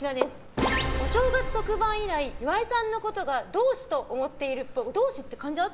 お正月特番以来岩井さんのことを同士と思っているっぽい。